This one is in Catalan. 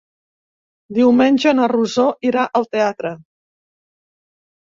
Diumenge na Rosó irà al teatre.